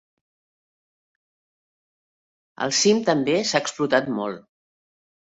El cim també s'ha explotat molt.